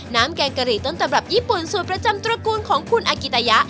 แกงกะหรี่ต้นตำรับญี่ปุ่นสูตรประจำตระกูลของคุณอากิตายะ